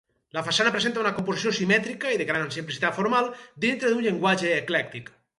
La façana presenta una composició simètrica i de gran simplicitat formal, dintre d'un llenguatge eclèctic.